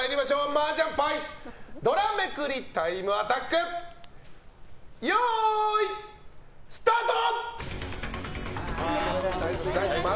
麻雀牌ドラめくりタイムアタックよーい、スタート！